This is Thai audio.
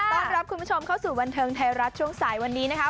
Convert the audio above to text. ต้อนรับคุณผู้ชมเข้าสู่บันเทิงไทยรัฐช่วงสายวันนี้นะคะ